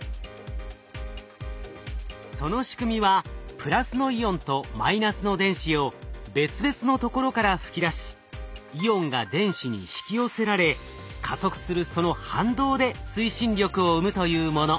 その仕組みはプラスのイオンとマイナスの電子を別々のところから吹き出しイオンが電子に引き寄せられ加速するその反動で推進力を生むというもの。